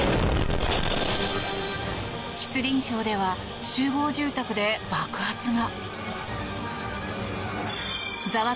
吉林省では集合住宅で爆発が。